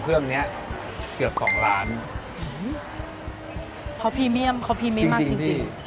เครื่องเนี้ยเกือบสองล้านเพราะพรีเมียมเขาพรีเมียมมากจริงจริง